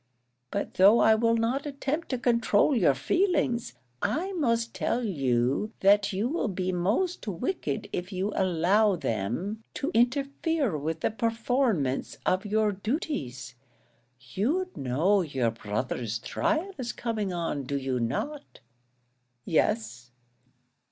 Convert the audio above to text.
But though I will not attempt to control your feelings, I must tell you that you will be most wicked if you allow them to interfere with the performance of your duties. You know your brother's trial is coming on, do you not?" "Yes."